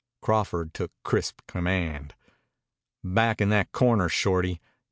Crawford took crisp command. "Back in that corner, Shorty.